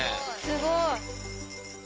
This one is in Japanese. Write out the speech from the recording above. すごい！